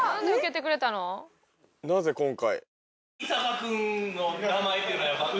なぜ今回。